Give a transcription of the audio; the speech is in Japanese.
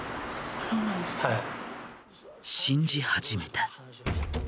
信じ始めた。